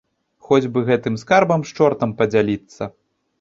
Хоць бы гэтым скарбам з чортам падзяліцца.